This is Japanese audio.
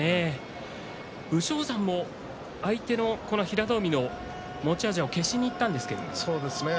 武将山も相手の平戸海の持ち味を消しにいったんですが。